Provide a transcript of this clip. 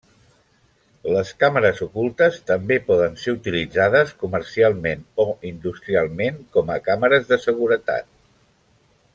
Les càmeres ocultes també poden ser utilitzades comercialment o industrialment com a càmeres de seguretat.